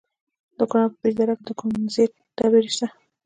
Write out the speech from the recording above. د کونړ په پيچ دره کې د کونزیټ ډبرې شته.